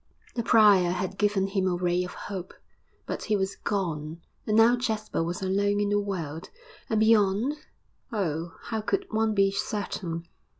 The prior had given him a ray of hope, but he was gone, and now Jasper was alone in the world.... And beyond? Oh! how could one be certain?